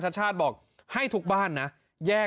แยกขยะแยกขยะต้องแบบนี้เลย